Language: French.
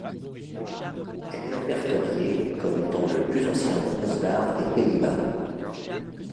Elle est répertoriée comme étant le plus ancien bronze d'art des Pays-Bas.